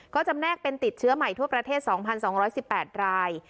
ก็จำแนกเป็นติดเชื้อใหม่ทั่วประเทศ๒๒๑๘ราย